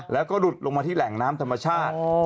แล้วก็หลุดลงมาที่แหล่งน้ำธรรมชาติ